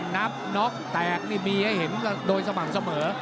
นับน็อกแตกนี่มีให้เห็นโดยสม่ำเสมอ